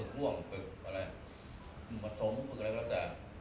ต้องรู้เพราะว่าฝึกกมาทรมปริกรับรสจาก